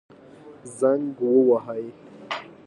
زنګ ووهئ